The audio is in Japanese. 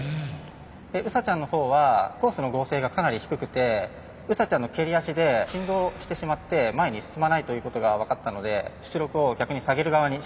ウサちゃんのほうはコースの剛性がかなり低くてウサちゃんの蹴り脚で振動してしまって前に進まないということが分かったので出力を逆に下げる側にしました。